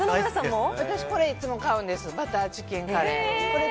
私これ、いっつも買うんです、バターチキンカレー。